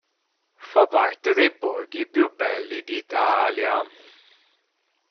Fa parte dei borghi più belli d'Italia.